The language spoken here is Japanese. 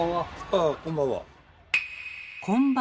ああこんばんは。